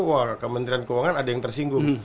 wah kementerian keuangan ada yang tersinggung